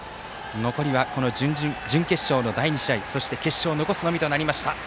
残りは準決勝の第２試合、そして決勝を残すのみとなりました。